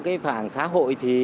cái phản xã hội thì